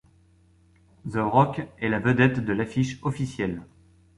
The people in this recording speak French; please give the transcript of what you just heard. The Rock est la vedette de l'affiche officielle.